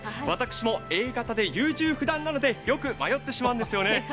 私もＡ型で優柔不断なのでよく迷ってしまうんですよね。